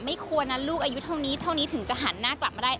ไม่ควรนะลูกอายุเท่านี้ถึงจะหันหน้ากลับมาได้